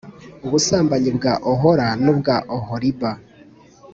Ubusambanyi bwa Ohola n ubwa Oholiba